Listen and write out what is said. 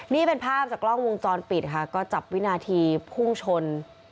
นี่เป็นภาพจากกล้องวงจรปิดค่ะก็จับวินาทีพุ่งชน